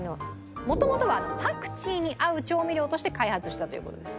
もともとはパクチーに合う調味料として開発したという事です。